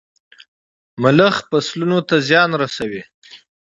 ملخ فصلونو ته زيان رسوي.